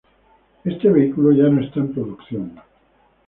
Este vehículo ya no está en producción.